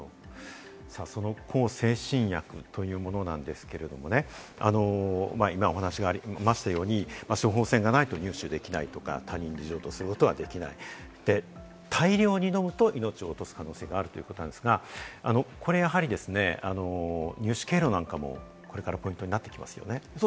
その向精神薬というものなんですけれどもね、今、お話がありましたように処方箋がないと入手できないとか、他人に譲渡することはできない、大量に飲むと命を落とす可能性があるということですが、これやはり入手経路なんかも、これからポイントになってきます